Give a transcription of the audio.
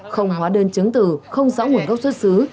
không hóa đơn chứng từ không rõ nguồn gốc xuất xứ